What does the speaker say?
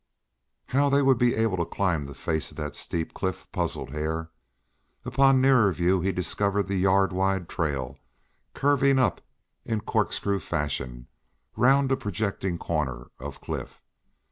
How they would be able to climb the face of that steep cliff puzzled Hare. Upon nearer view he discovered the yard wide trail curving upward in cork screw fashion round a projecting corner of cliff.